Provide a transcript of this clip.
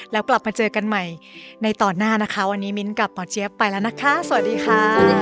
แล้วกลับมาเจอกันใหม่ในตอนหน้านะคะวันนี้มิ้นกับหมอเจี๊ยบไปแล้วนะคะสวัสดีค่ะ